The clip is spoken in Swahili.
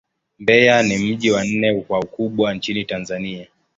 Mbeya ni mji wa nne kwa ukubwa nchini Tanzania.